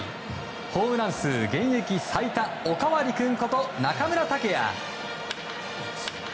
ホームラン数現役最多おかわり君こと中村剛也。